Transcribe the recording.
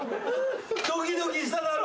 ドキドキしただろ。